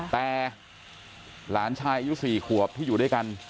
แต่หลานชายอายุ๔ขวบที่อยู่ด้วยกัน